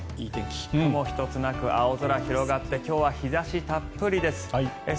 雲一つなく青空広がって今日は日差したっぷりです。